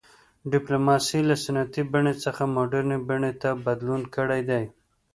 ډیپلوماسي له سنتي بڼې څخه مډرنې بڼې ته بدلون کړی دی